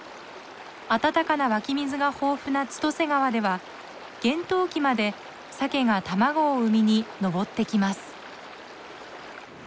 温かな湧き水が豊富な千歳川では厳冬期までサケが卵を産みに上ってきます。